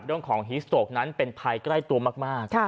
เรื่องของฮีสโต๊คนั้นเป็นภัยใกล้ตัวมาก